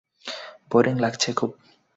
Boring লাগছে খুব।